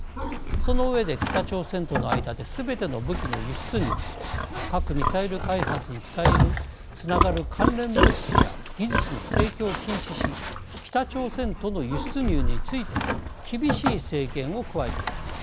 その上で北朝鮮との間ですべての武器の輸出入核・ミサイル開発につながる関連物資や技術の提供を禁止し北朝鮮との輸出入についても厳しい制限を加えています。